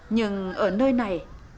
nhưng ở nơi này